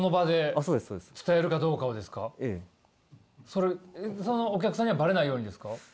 それそのお客さんにはバレないようにですか？